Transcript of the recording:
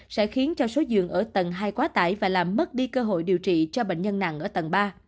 sẽ khiến cho số giường ở tầng hai quá tải và làm mất đi cơ hội điều trị cho bệnh nhân nặng ở tầng ba